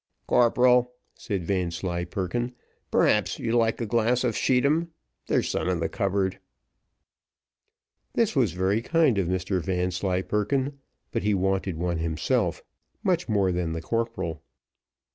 "Corporal," said Vanslyperken, "perhaps you'll like a glass of scheedam; there's some in the cupboard." This was very kind of Mr Vanslyperken, but he wanted one himself, much more than the corporal.